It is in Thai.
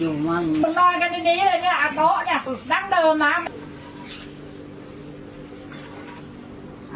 อาวุธแห่งแล้วพอเดินได้ผมว่าเจอบัตรภรรยากุศิษภัณฑ์